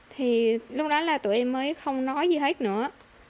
thì lúc đó là tụi em mới không nói gì hết nữa